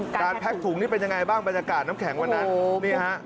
แพ็กถุงนี่เป็นยังไงบ้างบรรยากาศน้ำแข็งวันนั้นนี่ฮะ